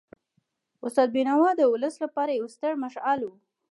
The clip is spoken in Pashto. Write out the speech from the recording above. استاد بینوا د ولس لپاره یو ستر مشعل و.